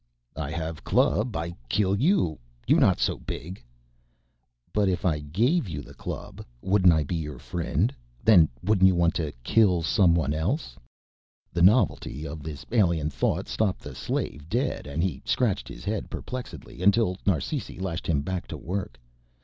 "I have club, I kill you, you not so big." "But if I gave you the club wouldn't I be your friend? Then wouldn't you want to kill someone else?" The novelty of this alien thought stopped the slave dead and he scratched his head perplexedly until Narsisi lashed him back to work.